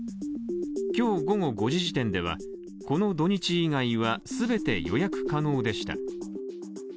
今日午後５時時点ではこの土日以外は全て予約可能でした。